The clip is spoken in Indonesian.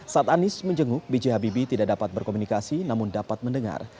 saat anies menjenguk bg habibi tidak dapat berkomunikasi namun dapat mendengar